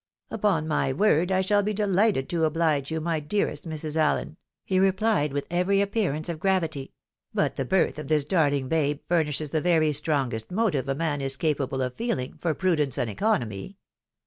" Upon my word I shall be delighted to oblige you, my dearest Mrs. AUen," he replied, with every appearance of gravity ;" but the birth of this darling babe furnishes the very strongest motive a man is capable of feeling, for prudence and economy.